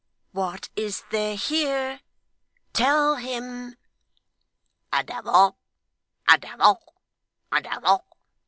What is there here? Tell him!' 'A devil, a devil, a devil!